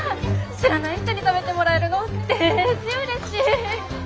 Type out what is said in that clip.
知らない人に食べてもらえるのデージうれしい！